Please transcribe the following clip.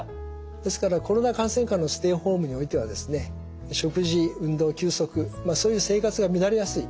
ですからコロナ感染下のステイホームにおいてはですね食事運動休息そういう生活が乱れやすい。